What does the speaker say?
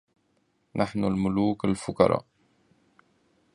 نحن الملوك الفقرا